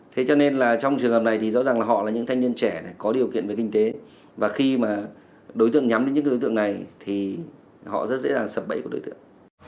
thế cho nên là trong trường hợp này thì rõ ràng là họ là những thanh niên trẻ có điều kiện về kinh tế và khi mà đối tượng nhắm đến những đối tượng này thì họ rất dễ là sập bẫy của đối tượng